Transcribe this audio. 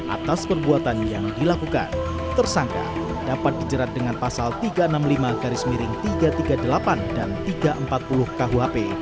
atas perbuatan yang dilakukan tersangka dapat dijerat dengan pasal tiga ratus enam puluh lima garis miring tiga ratus tiga puluh delapan dan tiga ratus empat puluh kuhp